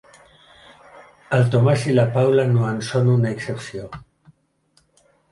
El Tomàs i la Paula no en són una excepció.